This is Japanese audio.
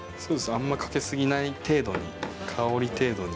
あんまかけ過ぎない程度に香り程度に。